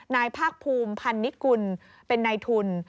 นายภาคภูมิพันนิกุลเป็นนายทุน